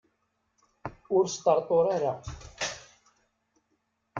Ur sṭerṭur ara.